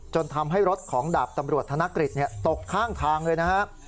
ทำให้รถของดาบตำรวจธนกฤษตกข้างทางเลยนะครับ